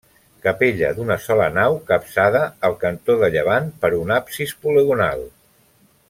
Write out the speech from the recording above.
Capella d'una sola nau capçada al cantó de llevant per un absis poligonal.